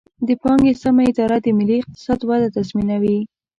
د پانګې سمه اداره د ملي اقتصاد وده تضمینوي.